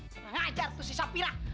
sama ngajar tuh si safira